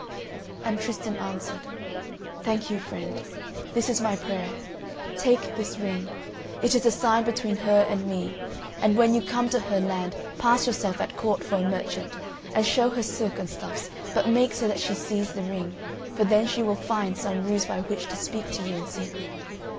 And Tristan answered: "Thank you, friend; this is my prayer: take this ring, it is a sign between her and me; and when you come to her land pass yourself at court for a merchant, and show her silk and stuffs, but make so that she sees the ring, for then she will find some ruse by which to speak to you in secret.